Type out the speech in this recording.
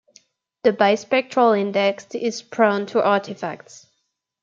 The bispectral index is prone to artifacts.